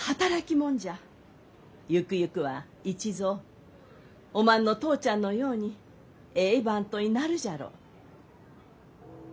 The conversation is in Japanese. ゆくゆくは市蔵おまんの父ちゃんのようにえい番頭になるじゃろう。